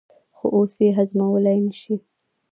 خو اوس یې هضمولای نه شي.